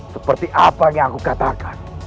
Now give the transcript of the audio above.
seperti apa yang aku katakan